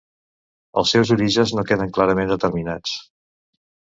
Els seus orígens no queden clarament determinats.